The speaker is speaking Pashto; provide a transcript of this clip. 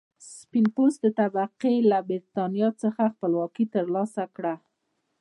سپین پوستې طبقې له برېټانیا څخه خپلواکي تر لاسه کړه.